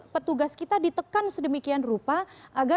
petugas kita ditekan sedemikian rupa